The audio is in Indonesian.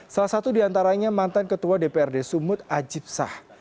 salah satu diantaranya mantan ketua dprd sumut ajib sah